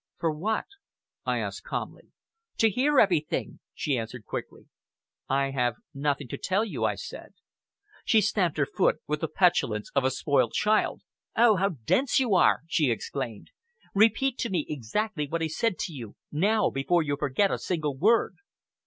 "For what?" I asked calmly. "To hear everything," she answered quickly. "I have nothing to tell you," I said. She stamped her foot with the petulance of a spoilt child. "Oh! how dense you are!" she exclaimed. "Repeat to me exactly what he said to you now, before you forget a single word!"